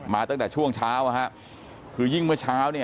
มาตั้งแต่ช่วงเช้าคือยิ่งเมื่อเช้า